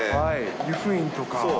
由布院とか。